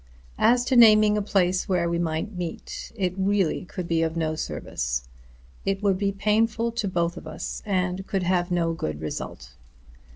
As to naming a place where we might meet, it really could be of no service. It would be painful to both of us and could have no good result.